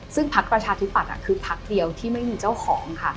ซึ่งพักประชาธิปัตย์คือพักเดียวที่ไม่มีเจ้าของค่ะ